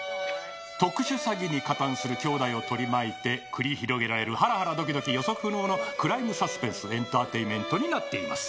特殊詐欺に加担するきょうだいを取り巻いて繰り広げられるハラハラドキドキ予測不能のクライムサスペンスエンターテインメントになっています